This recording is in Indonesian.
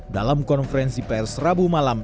dalam konferensi pr serabu malam